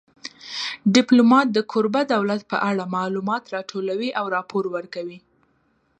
ډیپلومات د کوربه دولت په اړه معلومات راټولوي او راپور ورکوي